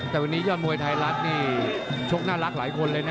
แต่วันนี้ยอดมวยไทยรัฐนี่ชกน่ารักหลายคนเลยนะ